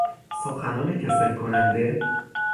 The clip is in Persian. سخنران کسل کننده